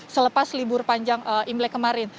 selepas libur panjang imlek kemarin